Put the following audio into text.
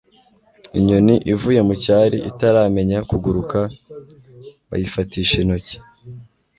inyoni ivuye mu cyari itaramenya kuguruka bayifatisha intoki